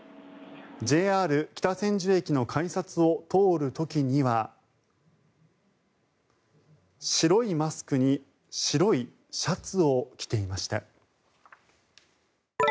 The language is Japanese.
ＪＲ北千住駅の改札を通る時には白いマスクに白いシャツを着ていました。